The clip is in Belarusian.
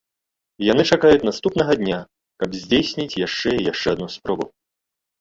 Яны чакаюць наступнага дня, каб здзейсніць яшчэ і яшчэ адну спробу.